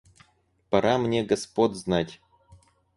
Пора мне господ знать.